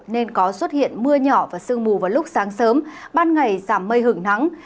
nên có xuất hiện mưa nhỏ và sương mù vào lúc sáng sớm ban ngày giảm mây hưởng nắng